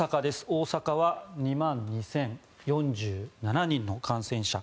大阪は２万２０４７人の感染者。